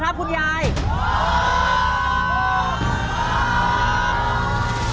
ถ้าตอบถูก๔ข้อรับ๑๐๐๐๐๐๐บาท